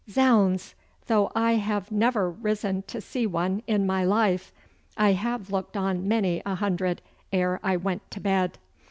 Zounds! though I have never risen to see one in my life, I have looked on many a hundred ere I went to bed.